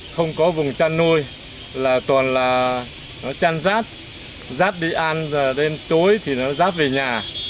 không có vùng chăn nuôi toàn là chăn rát rát đi ăn đêm tối thì nó rát về nhà